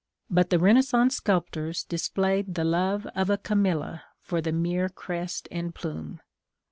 But the Renaissance sculptors displayed the love of a Camilla for the mere crest and plume.